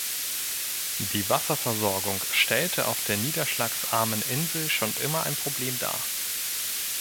Die Wasserversorgung stellte auf der niederschlagsarmen Insel schon immer ein Problem dar.